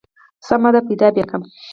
سمه ده پيدا به يې کم.